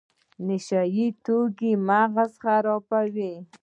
نشه یي توکي مغز خرابوي